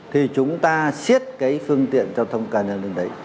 thì chúng ta xiết cái phương tiện giao thông cá nhân lên đấy